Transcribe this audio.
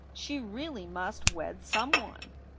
She really must wed some one.